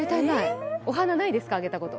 お花ないですか、あげたこと？